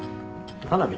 花火？